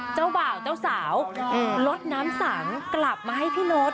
เจ้าบ่าวเจ้าสาวลดน้ำสังกลับมาให้พี่โน๊ต